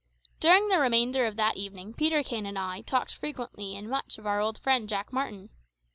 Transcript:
During the remainder of that evening Peterkin and I talked frequently and much of our old friend Jack Martin.